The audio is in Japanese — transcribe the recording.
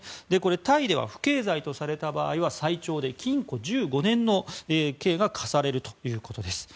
タイでは不敬罪とされた場合は最長で禁錮１５年の刑が科されるということです。